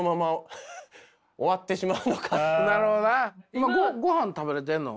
今ごはん食べれてるの？